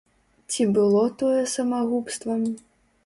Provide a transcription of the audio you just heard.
Ці было тое самагубствам?